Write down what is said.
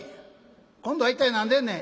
「今度は一体何でんねん？」。